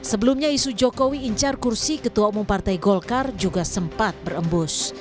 sebelumnya isu jokowi incar kursi ketua umum partai golkar juga sempat berembus